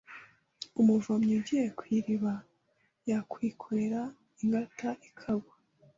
Umuvomyi ugiye ku iriba, yakwikorera ingata ikagwa